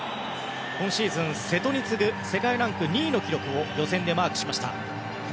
今シーズン、瀬戸に次ぐ世界ランク２位の記録を予選でマークしました。